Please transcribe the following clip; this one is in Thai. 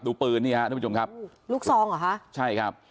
ปืนนี่ฮะทุกผู้ชมครับลูกซองเหรอคะใช่ครับ